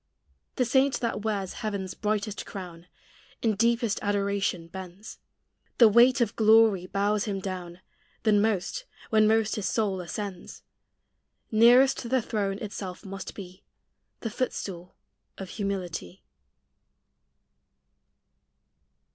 The saint that wears heaven's brightest crown, In deepest adoration bends: The weight of glory bows him down Then most, when most his soul ascends: Nearest the throne itself must be The footstool of humility.